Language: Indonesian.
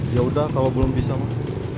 yaudah kalau belum bisa mah